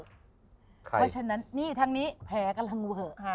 เพราะฉะนั้นนี่ทางนี้แผลกำลังเวอะ